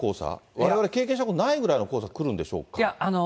われわれ経験したことないぐらいの黄砂が来るんでしょうか？